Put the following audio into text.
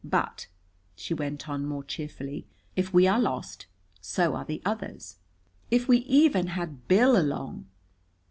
But," she went on, more cheerfully, "if we are lost, so are the others." "If we even had Bill along!"